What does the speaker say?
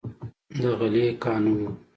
د غلې قانون و.